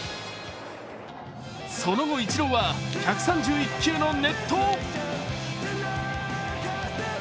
その後、イチローは１３１球の熱投。